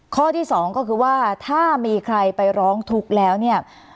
ข้อที่สองก็คือว่าถ้ามีใครไปร้องทุกข์แล้วเนี่ย